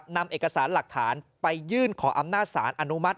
นำเอกสารหลักฐานไปยื่นขออำนาจสารอนุมัติ